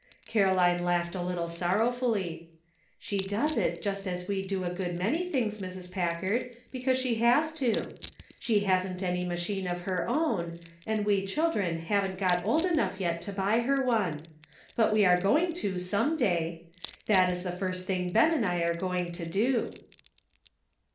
Caroline laughed a little sorrowfully. " She does it just as we do a good many things, Mrs. Packard, because she has to ; she hasn't any machine of her own, and we children haven't 808 "MEBRY CHRISTMAS:' got old enough yet to buy her one ; but we are going to some day. That is the first thing Ben and I are going to do."